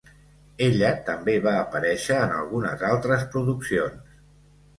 Ella també va aparèixer en algunes altres produccions.